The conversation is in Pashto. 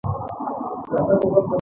که د افغانستان هره غونډۍ په ځیر وکتل شي.